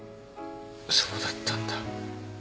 そうだったんだ。